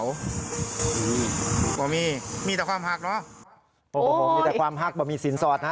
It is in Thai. โอ้โหมีแต่ความฮักหม่อมีฉีนสดนะ